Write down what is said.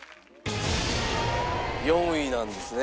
４位なんですね。